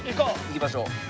行きましょう。